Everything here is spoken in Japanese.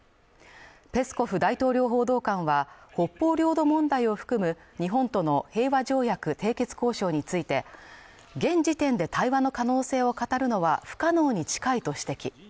ペスコフ大統領報道官は北方領土問題を含む日本との平和条約締結交渉について現時点で対話の可能性を語るのは不可能に近いと指摘